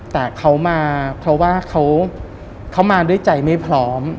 แต่เขามาเพราะว่าเขามาด้วยใจไม่พร้อม